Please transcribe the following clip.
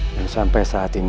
dan sampai saat ini